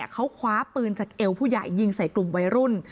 เขาคว้าปืนจากเอวผู้ใหญ่ยิงใส่กลุ่มวัยรุ่น